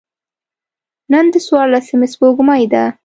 نن د څوارلسمي سپوږمۍ ده.